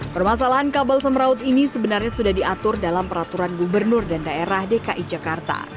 permasalahan kabel semraut ini sebenarnya sudah diatur dalam peraturan gubernur dan daerah dki jakarta